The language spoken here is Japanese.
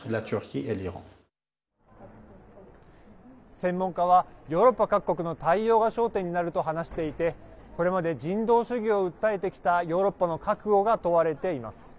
専門家はヨーロッパ各国の対応が焦点になると話していてこれまで人道主義を訴えてきたヨーロッパの覚悟が問われています。